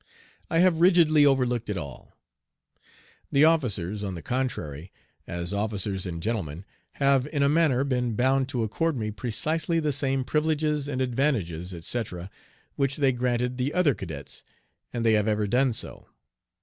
I have rigidly overlooked it all. The officers, on the contrary, as officers and gentlemen, have in a manner been bound to accord me precisely the Same privileges and advantages, etc., which they granted the other cadets, and they have ever done so.